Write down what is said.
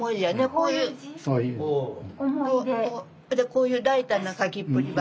こういう大胆な書きっぷりは。